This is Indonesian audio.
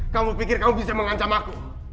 kamu pikir kamu bisa mengancam aku